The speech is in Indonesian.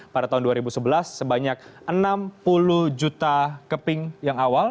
pada tahun dua ribu sebelas sebanyak enam puluh juta keping yang awal